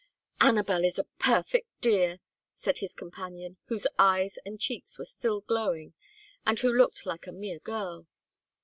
"Anabel is a perfect dear," said his companion, whose eyes and cheeks were still glowing, and who looked like a mere girl.